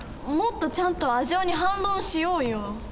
もっとちゃんとアジオに反論しようよ。